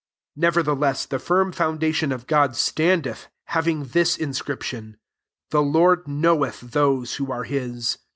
19 Nevertheless the firm foun dation of God standeth, having this inscription, "The Lord knoweth those who are his."